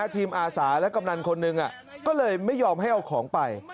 อาสาและกำนันคนหนึ่งก็เลยไม่ยอมให้เอาของไป